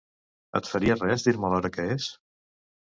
Et faria res dir-me l'hora que és?